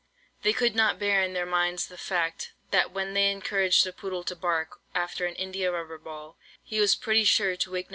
They could not bear in their minds the fact, that when they encouraged the poodle to bark after an India rubber ball, he was pretty sure to wake No.